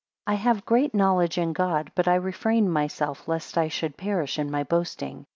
12 I have great knowledge in God; but I refrain myself, lest I should perish in my boasting.